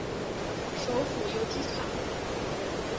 首府由提卡。